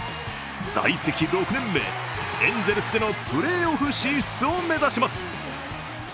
在籍６年目、エンゼルスでのプレーオフ進出を目指します。